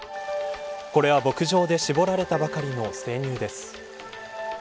これは、牧場で搾られたばかりの生乳です。